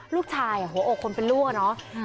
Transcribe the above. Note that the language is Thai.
ลูกชายโอ้โหคนเป็นลูกอะเนาะ